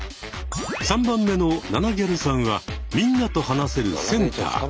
３番目のナナぎゃるさんはみんなと話せるセンター。